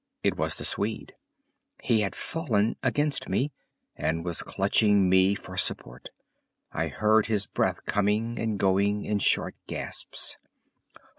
It was the Swede. He had fallen against me, and was clutching me for support. I heard his breath coming and going in short gasps.